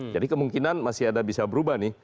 jadi kemungkinan masih ada bisa berubah nih